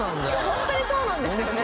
ホントにそうなんですよね